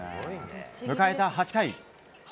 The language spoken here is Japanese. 迎えた８回。